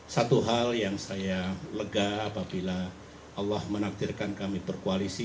satu hal yang saya lega apabila allah menaktirkan kami berkoalisi